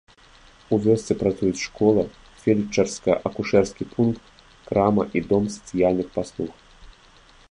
У вёсцы працуюць школа, фельчарска-акушэрскі пункт, крама і дом сацыяльных паслуг.